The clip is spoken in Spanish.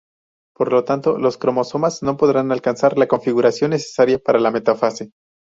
Por lo tanto, los cromosomas no podrán alcanzar la configuración necesaria para la metafase.